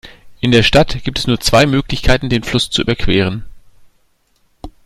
In der Stadt gibt es nur zwei Möglichkeiten, den Fluss zu überqueren.